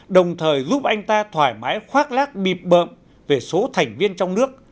đồng thời giúp anh ta thoải mái khoác lác bịp bợm về số thành viên trong nước